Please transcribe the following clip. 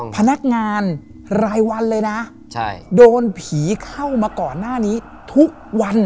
พนักงานรายวันเลยนะโดนผีเข้ามาก่อนหน้านี้ทุกวัน